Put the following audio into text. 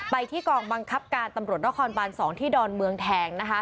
ไปที่กองบังคับการตำรวจนครบาน๒ที่ดอนเมืองแทง